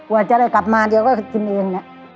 ก็จะได้กลับมาเดี๋ยวก็กินเอง